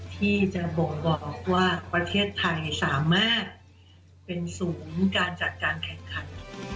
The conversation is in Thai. ที่จะบ่งบอกว่าประเทศไทยสามารถเป็นศูนย์การจัดการแข่งขัน